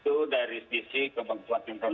itu ada kesimpulannya memang mengalami peningkatan